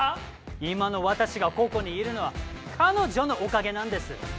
今の私がここにいるのは彼女のおかげなんです！